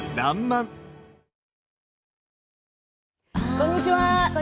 こんにちは。